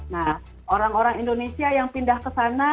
nah orang orang indonesia yang pindah ke sana